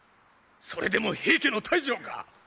それでも平家の大将か！